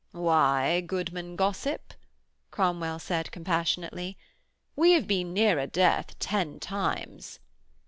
'Why, goodman gossip,' Cromwell said compassionately, 'we have been nearer death ten times.'